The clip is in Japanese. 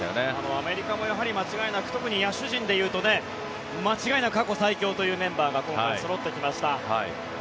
アメリカもやはり間違いなく特に野手陣で言うと過去間違いなく最強のメンバーが今回、そろってきました。